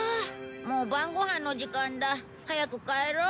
もう晩ご飯の時間だ。早く帰ろう。